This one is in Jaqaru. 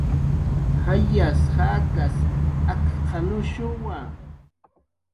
"Jayas jakas akq""anushuwa"